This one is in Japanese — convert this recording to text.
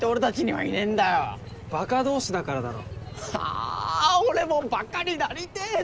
あ俺もバカになりてえな！